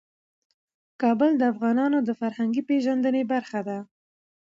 کابل د افغانانو د فرهنګي پیژندنې برخه ده.